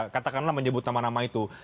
katakanlah menyebut nama nama itu